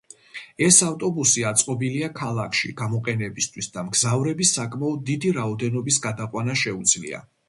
ეს ავტობუსი აწყობილია ქალაქში გამოყენებისთვის და მგზავრების საკმაოდ დიდი რაოდენობის გადაყვანა შეუძლია.